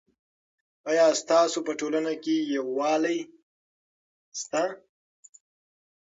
آیا ستاسو په ټولنه کې یووالی سته؟